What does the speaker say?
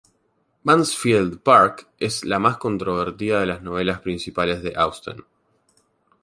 Mansfield Park es la más controvertida de las novelas principales de Austen.